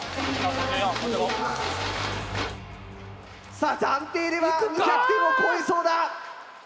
さあ暫定では２００点を超えそうだ！